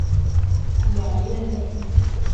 หรอยเลย